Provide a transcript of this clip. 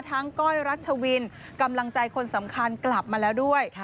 ก้อยรัชวินกำลังใจคนสำคัญกลับมาแล้วด้วย